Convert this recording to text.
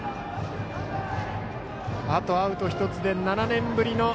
あとアウト１つで７年ぶり